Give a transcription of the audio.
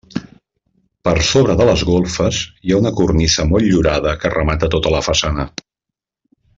Per sobre de les golfes hi ha una cornisa motllurada que remata tota la façana.